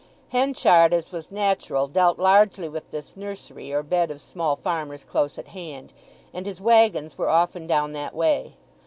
Henchard, as was natural, dealt largely with this nursery or bed of small farmers close at hand—and his waggons were often down that way.